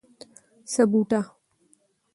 سمبوټه